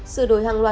sự đổi hàng loại